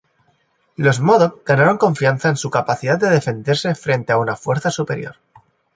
Los modoc ganaron confianza en su capacidad de defenderse frente a una fuerza superior.